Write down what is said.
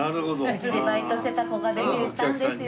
「うちでバイトしてた子がデビューしたんですよ」